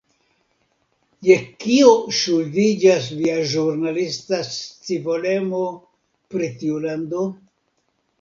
Je kio ŝuldiĝas via ĵurnalisma scivolemo pri tiu lando?